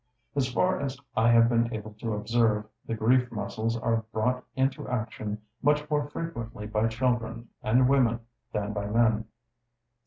As far as I have been able to observe, the grief muscles are brought into action much more frequently by children and women than by men.